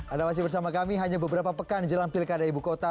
anda masih bersama kami hanya beberapa pekan di jalan pilkada ibu kota